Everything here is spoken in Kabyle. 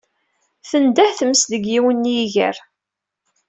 Tendeh tmes deg yiwen n yiger.